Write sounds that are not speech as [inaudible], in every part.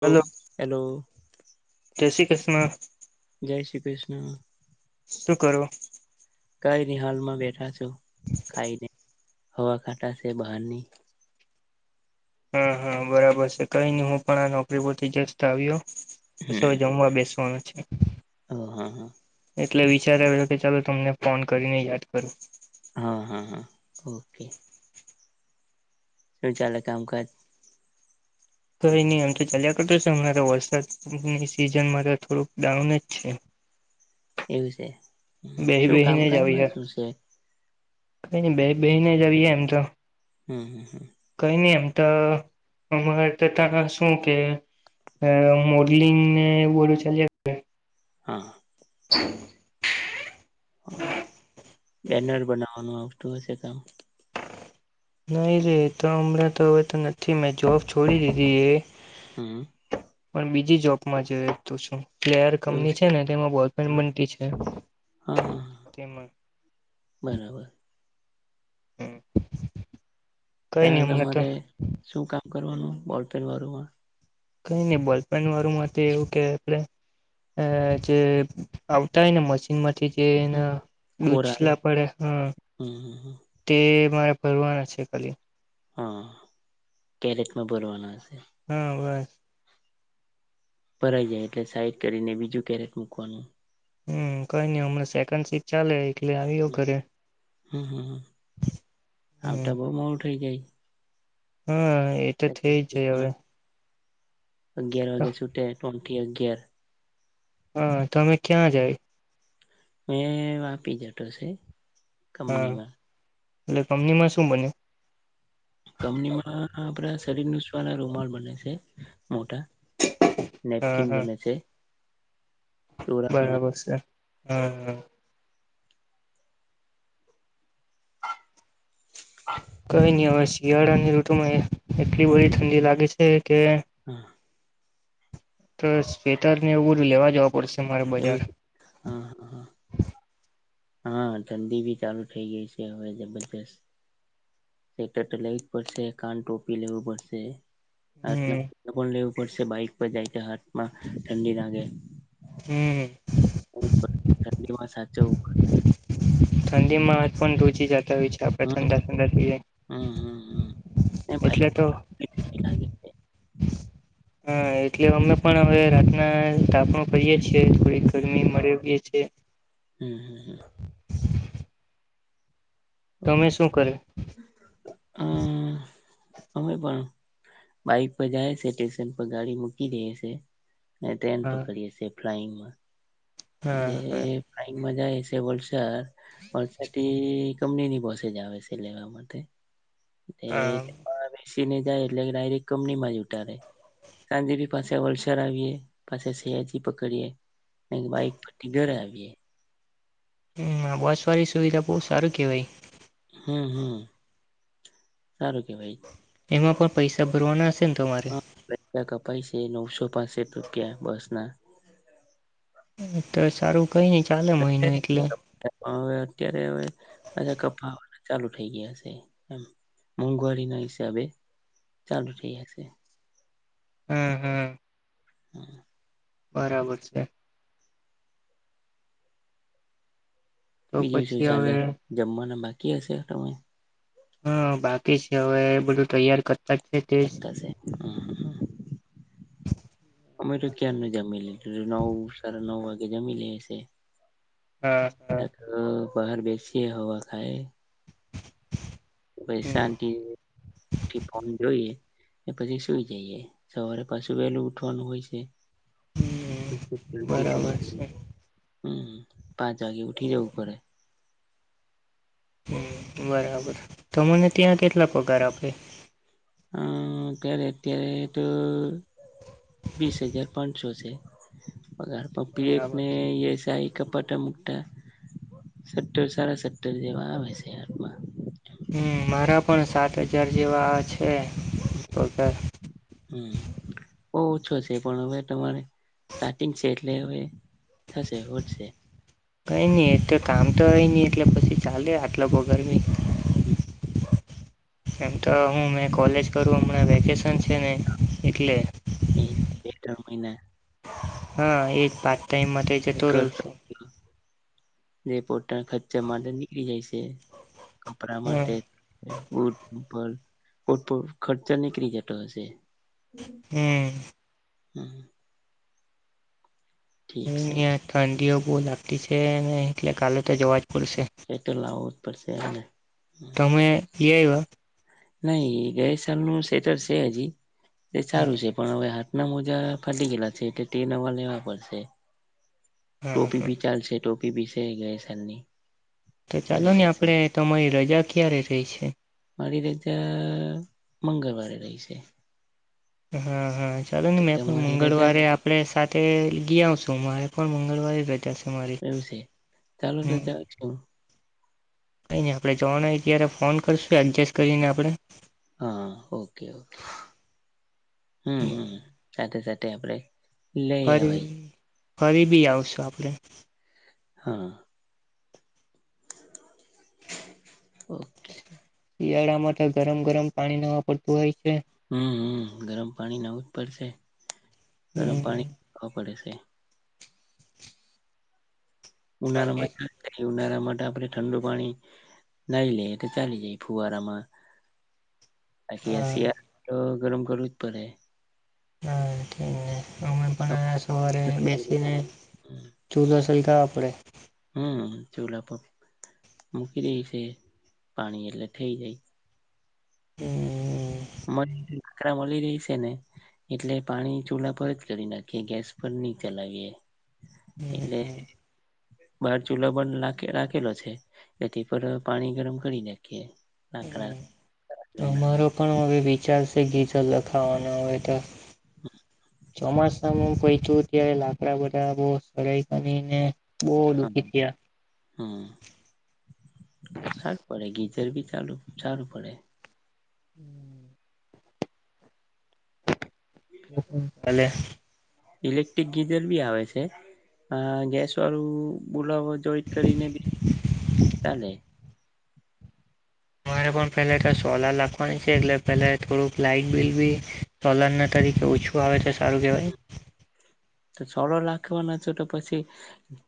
લો hello hello. જય શ્રી કૃષ્ણ. જય શ્રી કૃષ્ણ. શું કરવું? કાઈ નહીં હાલમાં બેઠા છે. તો કાઈ નહીં. હવા ખાટા છે બહારની. હા હા બરાબર છે કઈ નહી હું પણ આ નોકરી પરથી જસ્ત આવ્યો. [unintelligible] જમવા બેસવાનું છે. [inaudible] હ હા. એટલે વિચાર આયો કે ચાલો તમને ફોન કરીને યાદ કરો. હા હા હા ઓકે શું ચાલે કામકાજ? કઈ ની આમ તો ચાલ્યા કરતો છે હમણા તો વરસાદની સિઝનમાં તો થોડુંક ડાઉન જ છે. એવું છે. બેહી શું કામકાજમાં શું છે? ક બે બેને જવીએ એમ તો. હમ હ હ. કઈ નહી એમ તો અરે ત શું કે, મોડલિંગ ને બધું ચાલીયા કરે. હા. [inaudible] હા બેનર બનાવવાનું આવતું હશે કામ. નહી રે તો હમણાં તો હવે તો નથી મેં જોબ છોડી દીધી એ. હમ. પણ બીજી જોબમાં જો તો શું. પ્લેયર કમની છે ને તેમાં બોલફ્રેન્ડ હા બનતી છે, હા હા તેમાં. બરાબર હમ. કઈ નહ ત્યાં ઉમર તો તમારે શું કામ કરવાનું બોલપેન વાળુંમાં? કઈ નઈ બલ્બપેન વાળું માટે એવું કે આપણે, જે આવતા હોય ને મશીન માટે જે એના ખોરા દૂછલા પડે હ, હમ હમ તે મારે ભરવાના છે ખાલી. હા, કેરેટમાં ભરવાનું હશે. હા બસ. ભરાઈ જાય એટલે સાઈડ કરીને બીજું કેરેટ મૂકવાનું. હમ કઈ નઈ હમને સેકન્ડ સીટ ચાલે એટલે આવ્યો ઘરે હમ હમ હ, આવ તો બ મ ઉઠઈ જાય. હમ. એ તો થ જ જ હવે. માં અગિયાર વાગ્યાે સુૂટે. કટી અગિયાર હા તમે ક્યાં જાવ? મે વાપી જતો છે. હા કપનીમાં. એટલે કમની માં શું બન્યું? બોલ બને છે. મોટા હા નેપકીન હા બને છે. ટોરા બને બરાબર છે. હમ હા. કઈ નહી હ શિયાળાની ઋતુમાં એટલી બધી ઠંડી લાગે છે કે હા. તો સ્વેટર ને એવું લેવા જ પરશે મારે એવું બજાર. હા હા હા હા ઠંડી ભી ચાલુ થઈ ગઈ છે હવે જબરજસ્ત. સ્વેટર તો લેવી જ પડશે કાન ટોપી લેવું પડશે. રાતના હમ પણ લેવ. વરસે બાઈક પર જાય છે હાથમાં ઠંડી લાગે. હમ્મ. [inaudible] સાચવવું. ઠંડી માં હાથ પણ ધ્રુજી જા [unintelligible] તો હમ ઠંડા ઠંડા થઈ હમ હમ હમ એ જાય બાઈક એટલે તો. ઠંડી લાગે છે હા એટલે અમે પણ હવે રાતના તાપણું કરીએ છીએ થોડી. ગરમી મરે ભી છે. હમ્મ હ હમ તમે શું કરે અમ અમે પણ બાઈક પર જાય છે સ્ટેશન પર ગાડી મૂકી દે શે ને ટ્રેન હા પકડીએ સે ફલાઈગમાં હા એટલે હા ફલાઈન્ગ મા જાયે એ છે વલસાડ વલસાડ થી કંપનીની બસ જ આવે શે લેવા માટે એ હા [inaudible] સીને જાય એટલે ડાયરેક્ટ કંપનીમાં જ ઉતારેે ત્યાંથી પણ પાછા વલસાડ આવીએ પાછા સયાજી પકડીએ બાઈક પરથી ઘરે આવીએ હમ બસ વાળી સુવિધા બહુ સારું કેવાય હમમમ હારું કેવાય એમાં પણ પૈસા ભરવાના હશે ને તમારે પૈસા કપાય શે નવસો પાસઠ રૂપિયા બસ ના તો સારું કઈ નઈ ચાલે મહિનો એટલો હવે અત્યારે હવે પાછા કપાવવાના ચાલુ થઇ ગયા છે એમ મોંઘવારી ના હિસાબે ચાલુ થઈયા છે. હા, હા. હા. બરાબર છે. તો બીજું શું પછી ચાલે હવે જમવાના બાકી હશે તમે હા બાકી છે હવે બધું તૈયાર કરતા જ છે તે કરતા હશે અમે તો ક્યાંર નું જમીલી. રે નવ સાડા નવ વાગ જમી લે શે. હા પછી કર હા હ. બહાર બેસીએ હવા ખાયે પહી હમ શાંતિ થી ફોન જોઈએ ને પછી સુઈ જઈએ સવારે પાછું વેલુ ઉઠવાનું હોય છે. હમ બરાબર છે [inaudible] હમ પાંચ વાગે ઉઠી જવું પડે. હમ બરાબર તમુને ત્યાં કેટલા પગાર આપે. હ [unintelligible] અત્યારે તો વીસ હજાર પાંનસો સે. [inaudible] પગાર પર પી એફ બરાબર ને એ સાઈ. કપાટા મુકતા સટ્ટર સારા સટ્ટર જેવા આવે છે હાતમા. હમ મારા પણ સાત હજાર જેવા છે. પગાર હમ બો ઓછો છે પણ હવે તમારે સ્ટાર્ટિંગ છે એટલે હવે થશે વધશે. કઈ ની એ તો કામ તો હોય ની. એટલે પછી ચાલે આટલો પગાર બી. એમ તો હું મેં કોલેજ કરું હમણાં વેકેશન છે ને એટલે. એ બે ત્રણ મહિના. હા એ જ પા ટાઈમ માટે કે જતો રહો છુ રીપોર્ટ ટા ખર્ચા માટે નીકળી જાય સ એ. કપડા માટે હમ ને બુટ. [unintelligible] ખર્ચા નીકરી જતો હશે. હમ. હમ. ઠીક હું છે યા ઠંડીઓ બો લાગતી છે ને એટલે કાલે તો જવા જ પડશે એતો લાવું પડશે હાને તમે લી અયવા. નહી ગયા સેમનું સ્વેટર છે હજી. એ હા સારું છે પણ હવે હા ના મોજા ફાટી ગયેલા છે એટલે તે નવા લેવા પડશે. હા ટોપી હા ભી ચાલશે ટો પી પીછાય ગય છેની. તો ચાલો ને આપડે તમારી રજા ક્યારે પી છે? તે રીતે મંગળવારે રહીશે. એ હા હા. ચાલો ને મેં પણ રજા મંગળવારે આપડે સાત તે ગયા આવ સો મારે પણ મંગળવારે ર એવું છે. ચાલો તો ત્યાર ચલો. કઈ નઈ આપડણે ત્રણ ઈ જયારે ફોન કરશે એડજસ્ટ કરીને આપણે હા ઓકે ઓકે હમ્મ હમ્મ [unintelligible] [unintelligible] લઇ ફરી અવાય ફરી બી આવશું આપડે. હા. ઓકે શિયાળામાં તો ગરમ ગરમ પાણી નવા પડતું હોય છે હમ્મ હમ્મ ગરમ પાણી નાવું જ પડશે ગરમ હમ પાણી અ પડે છે. ઉનારા મા બાકી [unintelligible] ઉનાળામાં તો આપણે ઠંડુ પાણી નાઈ લઈ એટલે ચાલી જાય ફુવારામાં. હા [unintelligible] ગરમ કરવું જ પડે હા ઠીક હે. અમે પણ સવારે બેસીને [unintelligible] [unintelligible] આપડે. હમ્મ ચૂલાપર મૂકી દઈ છે પાણી એટલે થઈ જાય હમ્મ. [unintelligible] આકરા મળી રહી શે ને એટલે પાણી ચૂલા પર જ કરી નાખીએ ગેસ પર નહી ચલાવીએ. હમ્મ એટલે હમ્મ. બહાર ચૂલો પણ રાખેલો છે. એથી પર પાણી ગરમ કરી નાખીએ. લાકડા [unintelligible] ઘરના. અમારો પણ હવે ચાલસે જે છેલ્લે થાઈએ તે. ચોમાસામાં પે ત્યારે લાકડા બધા [inaudible] કરીને બહુ હા, દુઃખી થયા હમ્મ, ખાર પડે ગીત ટેઈ બી ચાલુ, ચાલુ પડે. હમ્મ. હું તલે? ઇલેક્ટ્રિક ગીઝર બી આવે છે, આ ગેસ વાળું બોલાવો જોઈટ કરી ને બી ચાલે. તમારે પણ પહેલે તો સોલાર લાખવાની છે એટલે પેલા થોડુંક લાઈટ બિલ બી સોલાર ન તરીકે ઓછું આવે છે. સારું કેહેવાય. તો સોલા લખવાનો છો તો પછી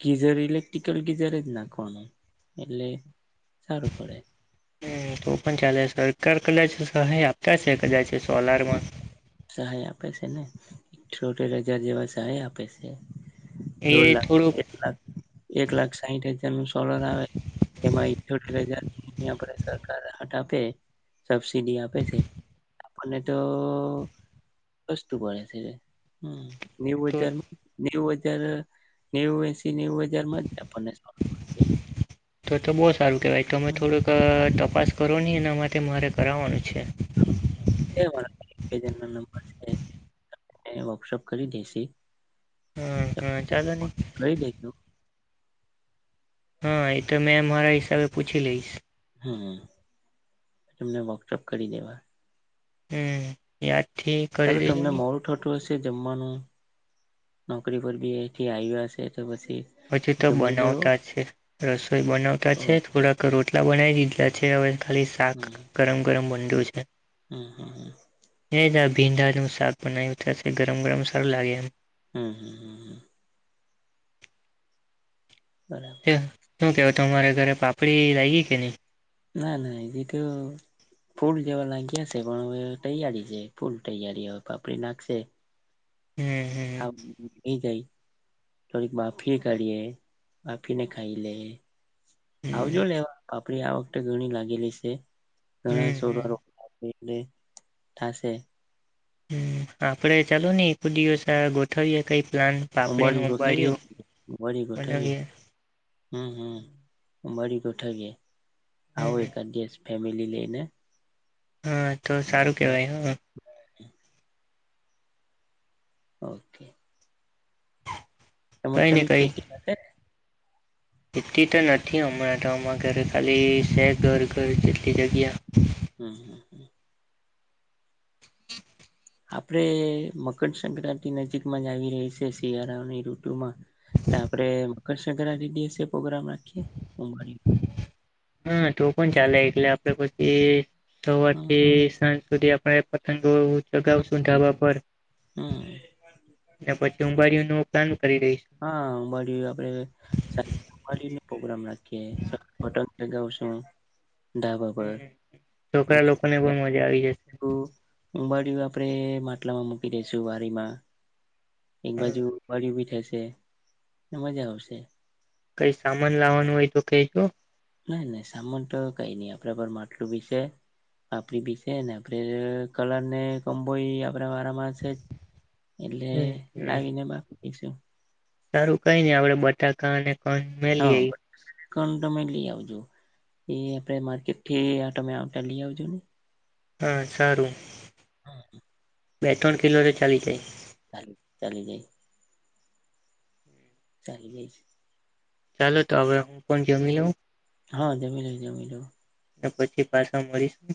ગીઝર ઇલેક્ટ્રિકલ ગીઝર જ નાખવાનું એટલે સારું પડે. હમ્મ, તો પણ ચાલે સરકાર કદાચ સહાય આપતા છે કદાચ હમ્મ સોલારમાં ત્યાં જા આપે છે ને એ છોટે રજા જેવા સારી આપે છે. એ દોઢ લાખ થોડુંક એક લાખ એક લાખ સાહીઠ હજાર નું સોલર આવે તેમાં ઠ્યોતેર હજાર ને આપડે સરકાર હટ આપે સબસીડી આપે છે આપણને તો સસ્તું પડે છે એ હમ્મ. બીજું વ તો ચાલુ બીજું વ ત્યારે નેવું એસ શી નેવું હજારમાં જ આપણને સો [unintelligible] તો તો બોત સારું કહેવાય તો અમે થોડુંક અહ તપાસ કરો નહીં એના માટે મારે કરાવાનું છે. એ વર્કશોપ કરી દેસે હા હા ચાલો ની દેજો હા, એ તો મેં મારા હિસાબે પૂછી લઈશ. હા તમને વોકશોપ કરી દેવા. હમ્મ એ આ ઠી કરી ચાલો તમને દેજેની. મોડું થતું હશે જમવાનું નોકરી પર બી આયથી આવ્યા હશે તો પછી હજુ તો જમી લેવો બનાવતા છે રસોઈ બનાવતા છે ઓકે થોડાક રોટલા બનાઈ લીધા છે અવે ખાલી શાક ગરમ ગરમ બ [unintelligible] હમ્મ હમ્મ હમ્મ. એ સબ ભીંડાનું શાક બનાવ્યું થશે ગરમ ગરમ સારું લાગે એમ હમ્મ, હમ્મ, હમ્મ. બરાબર. શું કેવાય તમારા ઘરે પાપડી લાગી કે નહી? ના ના એજી તો ફૂલ જેવા લાગ્યા છે પણ હવે તૈયારી છે ફૂલ તૈયારી હવે પાપડી લાગશે. હમ હમ હા એ જાય થોડીક બાફી કાઢીએ બાફીને ખાઈલે. હમ આવજો લેવા પા પડી આ વખતે ઘણી લાગેલી છે. હમ્મ, હમ્મ. લેટ થાશે. હમ્મ આપડે ચાલો ને એક દિવસ ગોઠવીએ કઈ. પ્લાન પાપડીનું અબાડી ગોઠવીએ, ઉંબાડિયું અબાડી ગોઠવીએ બનાવીએ હમ્મ હમ્મ. આબાડી ગોટાવીએ. આવું હમ અકાદ ગેસ ફેમલી લઈને. હા તો ને સારું આપડે કેવાય હા. [unintelligible] ઓકે. ટમે કઈ ને ટમી કઈ [unintelligible] એટલી તો નથી હમણાં તમાં ઘરે ખાલી છે ઘર ઘર જેટલી જગ્યા. હમ્મ, હમ્મ, હમ્મ. આપડે મકરસંક્રાંતિ નજીક માં જ આવી રહી છે શિયાળાઓની ઋતુમાં. તા આપડે કરશે કરારી દેશે. પ્રોગ્રામ રાખીએ, ઓબડિયું. હા, તો પણ ચાલે એટલે આપડે પછી સવાર થી હમ સાંજ સુધી આપ પે પતંગો હમ ચગાવસુંં હમ ધાવા પર, હમ તો પછી ઉબારીયુનું તે હા અંબાડી આપેં [unintelligible] પ્રોગ્રામ રાખ. [unintelligible] પતંગ ચગાવસુ. હમ છોકરા લોકો ને પણ મજા આવી જશે. ઉુંબાડીયું આપડે માટલામાં મૂકી દઈશું વારીમાં. એક બાજુ [unintelligible] થશે. મજા આવશે. કઈ સામાન લાવવાનું હોય તો કેજો. નાઈ નઈ સામાન તો કઈ નઈ આપડ પર માટલું ભી છે, આપપડી ભી છે ને આપે કલર ને કબોઈ વારામાંસે જ એટલે હમ હમ લાવીને બાકી એક [unintelligible] સારું કઈ નઈ આપડે બટાકા અને પન મે હા લઈ કણ તમે લઈ આવજો એ આપે માર્કેટ થી તમે આવતા લઈ આવજો ને. હા સારું હા હા બે ત્રણ કિલોરે ચાલી જાય ચ ચાલી જાય ચાલી જાય ચાલો તો હવે હું પણ જમી લઉં હા જમીલ જમી રહ ને પછી પાછા મળીશું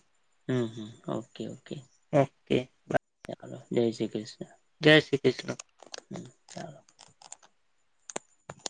હમ હમ ઓકે ઓકે ઓકે હલો જય શ્રી કૃષ્ણ જય શ્રી કૃષ્ણ [inaudible]